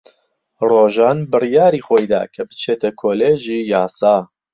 ڕۆژان بڕیاری خۆی دا کە بچێتە کۆلێژی یاسا.